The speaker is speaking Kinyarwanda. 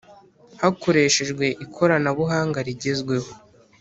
hakoreshejwe ikoranabuhanga rigezweho